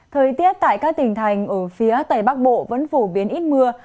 thời tiết tại các tỉnh thành ở phía tây bắc bộ vẫn phổ biến ít mưa